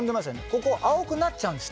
ここ青くなっちゃうんです